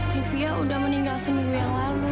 rivia udah meninggal seminggu yang lalu